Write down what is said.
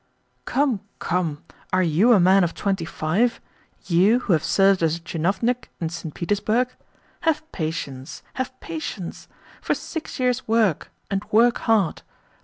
"Come, come! Are you a man of twenty five you who have served as a tchinovnik in St. Petersburg? Have patience, have patience. For six years work, and work hard.